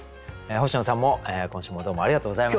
星野さんも今週もどうもありがとうございました。